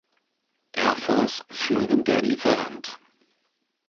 Air Force führender Lieferant.